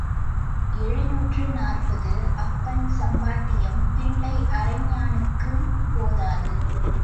எழுநூற்று நாற்பது அப்பன் சம்பாத்தியம் பிள்ளை அரைஞாணுக்கும் போதாது.